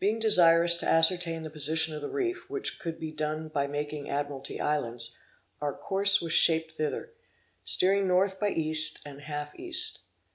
Being desirous to ascertain the position of the reef, which could be done by making the Admiralty Islands, our course was shaped thither, steering north by east and half east.